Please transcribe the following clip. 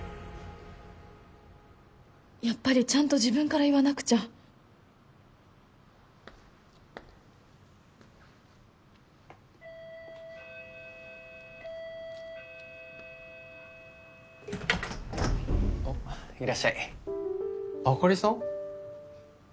やっぱりちゃんと自分から言わなくちゃおっいらっしゃいあかりさん？